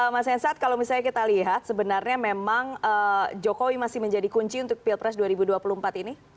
mas hensat kalau misalnya kita lihat sebenarnya memang jokowi masih menjadi kunci untuk pilpres dua ribu dua puluh empat ini